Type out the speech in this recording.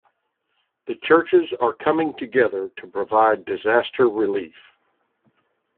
The churches are coming together to provide disaster relief.